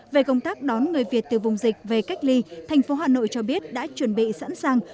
về công tác đón người việt từ vùng dịch về cách ly thành phố hà nội cho biết đã chuẩn bị sẵn sàng